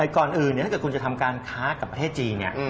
ก่อนอื่นถ้าเกิดคุณจะทำการค้ากับประเทศจีน